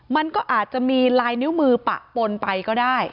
มันก็อาจจะมีลายนิ้วมือปะปนไปก็ได้